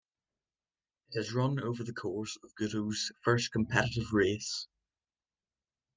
It is run over the course of Guto's first competitive race.